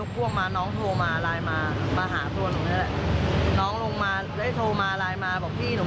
ก็เลยขึ้นไปปุ๊บเขาว่าตุ๊บตับตุ๊บตับกันหมดแล้วที